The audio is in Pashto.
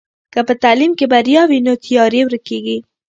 که په تعلیم کې بریا وي نو تیارې ورکېږي.